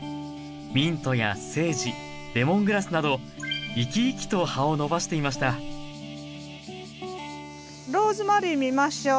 ミントやセージレモングラスなど生き生きと葉を伸ばしていましたローズマリー見ましょう。